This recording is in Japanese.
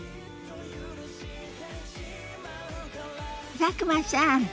佐久間さん